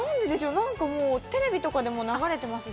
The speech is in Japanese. なんかもうテレビとかでも流れてますし。